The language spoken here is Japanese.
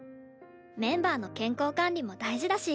メンバーの健康管理も大事だし。